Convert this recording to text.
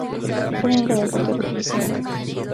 Fue miembro del Partido Republicano Radical.